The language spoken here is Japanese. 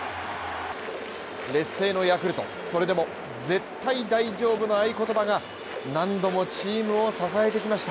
劣勢のヤクルト、それでも絶対大丈夫の合い言葉が何度もチームを支えてきました。